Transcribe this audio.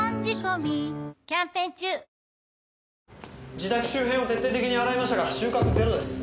自宅周辺を徹底的に洗いましたが収穫ゼロです。